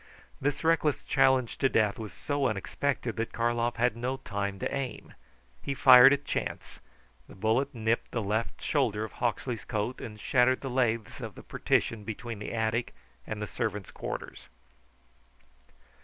This reckless challenge to death was so unexpected that Karlov had no time to aim. He fired at chance. The bullet nipped the left shoulder of Hawksley's coat and shattered the laths of the partition between the attic and the servant's quarters.